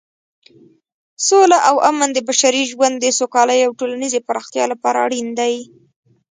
سوله او امن د بشري ژوند د سوکالۍ او ټولنیزې پرمختیا لپاره اړین دي.